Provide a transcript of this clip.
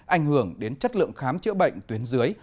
ảnh hưởng đến chất lượng khám chữa bệnh tuyến dưới